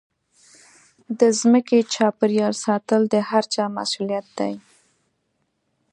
د ځمکې چاپېریال ساتل د هرچا مسوولیت دی.